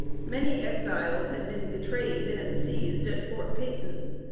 Many Exiles had been betrayed and seized at Fort Peyton.